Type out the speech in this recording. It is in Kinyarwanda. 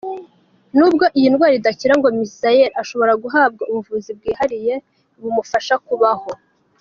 N’ubwo iyi ndwara idakira ngo Misael ashobora guhabwa ubuvuzi bwihariye bumufasha kubaho.